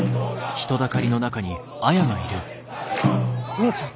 姉ちゃん！